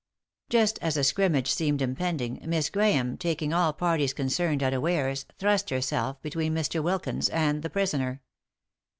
Just as a scrimmage seemed impending Miss Grahame, taking all parties concerned unawares, thrust herself between Mr. Wilkins and the prisoner.